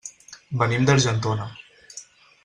Venim d'Argentona.